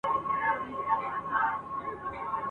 له ټوکرانو څخه جوړه وه رنګینه !.